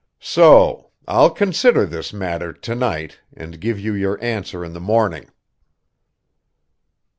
So ... I'll consider this matter, to night, and give you your answer in the morning."